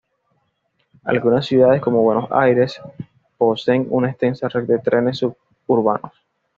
Algunas ciudades, como Buenos Aires, poseen una extensa red de trenes suburbanos.